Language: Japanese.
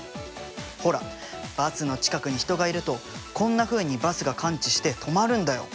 ほらバスの近くに人がいるとこんなふうにバスが感知して止まるんだよ。